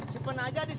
simpen aja di situ